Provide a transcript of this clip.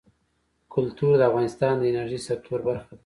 کلتور د افغانستان د انرژۍ سکتور برخه ده.